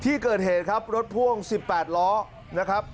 ที่เกิดเหตุครับรถพ่วง๑๘ล้อนะครับ